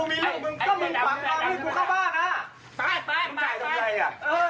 มึงถ่ายทำไงหน่ะ